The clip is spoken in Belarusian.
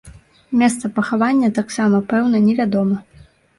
Месца пахавання таксама пэўна не вядома.